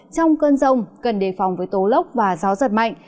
trong cơn rông cần đề phòng với tố lốc và gió giật mạnh